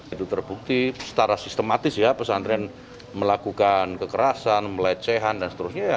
itu terbukti secara sistematis ya pesantren melakukan kekerasan melecehan dan seterusnya